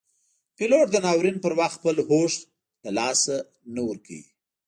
پیلوټ د ناورین پر وخت خپل هوش نه له لاسه ورکوي.